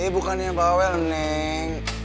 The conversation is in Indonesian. eh bukannya bawel neng